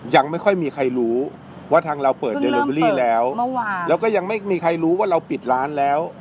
ยังไม่ค่อยมีใครรู้ว่าทางเราเปิดเดลิเวอรี่แล้วเมื่อวานแล้วก็ยังไม่มีใครรู้ว่าเราปิดร้านแล้ว